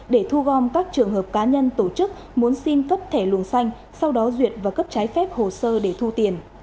để thu gom các trường hợp cá nhân tổ chức muốn xin cấp thẻ luồng xanh sau đó duyệt và cấp trái phép hồ sơ để thu tiền